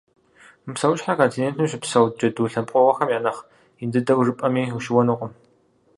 Мы псэущхьэр континентым щыпсэу джэду лъэпкъыгъуэхэм я нэхъ ин дыдэу жыпӏэми, ущыуэнкъым.